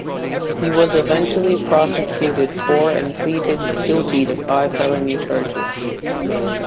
He was eventually prosecuted for and pleaded guilty to five felony charges.